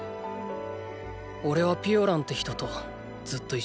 おれはピオランって人とずっと一緒だった。